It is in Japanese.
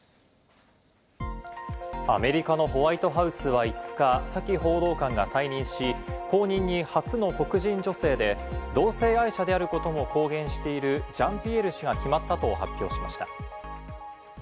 アメリカのホワイトハウスは５日、サキ報道官が退任し、後任に初の黒人女性で同性愛者であることも公言しているジャンピエール氏が決まったと発表しました。